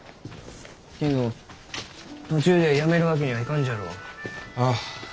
けんど途中でやめるわけにはいかんじゃろう？ああ。